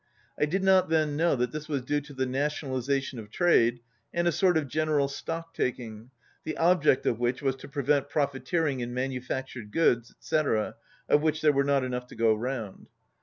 I did not then know that this was due to the nationalization of trade and a sort of general stock taking, the object of which was to prevent profiteering in manufactured goods, etc., of which there were not enough to go round.